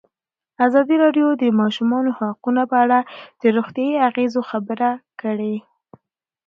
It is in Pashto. ازادي راډیو د د ماشومانو حقونه په اړه د روغتیایي اغېزو خبره کړې.